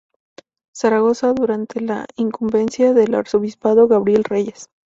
Zaragoza, durante la incumbencia del Arzobispo Gabriel Reyes.